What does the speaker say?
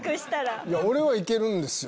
俺は行けるんですよ。